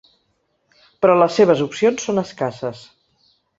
Però les seves opcions són escasses.